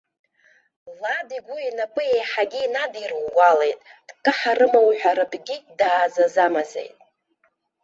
Лад игәы инапы еиҳагьы инадирӷәӷәалеит, дкаҳарыма уҳәаратәгьы даазазамазеит.